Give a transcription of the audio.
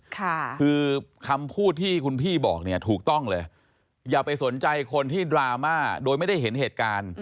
คือคำพูดที่คุณพี่บอกเนี่ยถูกต้องเลยอย่าไปสนใจคนที่ดราม่าโดยไม่ได้เห็นเหตุการณ์